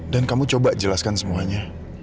dan kamu coba jelaskan semuanya